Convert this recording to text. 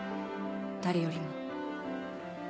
誰よりも。